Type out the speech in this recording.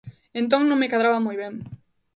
Entón non me cadraba moi ben.